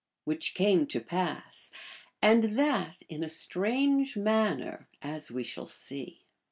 Which came to pass, and that in a strange manner, as we shall see.